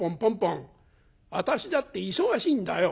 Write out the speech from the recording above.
私だって忙しいんだよ」。